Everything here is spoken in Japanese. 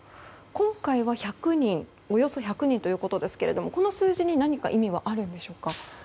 今回はおよそ１００人ということですけどこの数字に何か意味はあるんでしょうか？